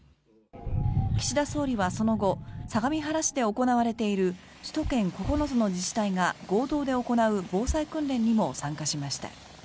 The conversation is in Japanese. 岸田総理はその後相模原市で行われている首都圏９つの自治体が合同で行う防災訓練にも参加しました。